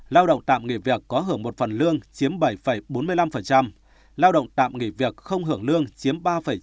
lao động phần lương chiếm bảy bốn mươi năm lao động tạm nghỉ việc không hưởng lương chiếm ba chín mươi sáu